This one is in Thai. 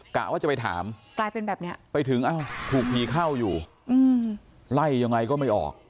กะว่าจะไปถามไปถึงถูกผีเข้าอยู่ไล่ยังไงก็ไม่ออก